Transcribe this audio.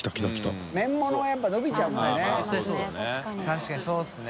確かにそうですね。